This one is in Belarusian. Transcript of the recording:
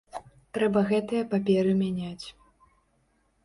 Трэба гэтыя паперы мяняць.